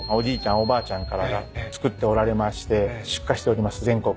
おばあちゃんが作っておられまして出荷しております全国。